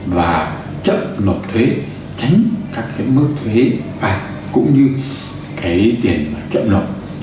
và chậm nộp thuế chánh các cái mức thuế phải cũng như cái tiền chậm nộp